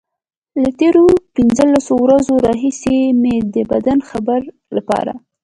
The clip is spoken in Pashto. له تېرو پنځلسو ورځو راهيسې مې د بد خبر لپاره.